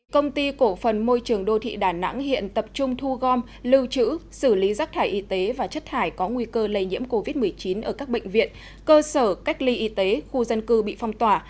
công ty cổ phần môi trường đô thị đà nẵng hiện tập trung thu gom lưu trữ xử lý rác thải y tế và chất thải có nguy cơ lây nhiễm covid một mươi chín ở các bệnh viện cơ sở cách ly y tế khu dân cư bị phong tỏa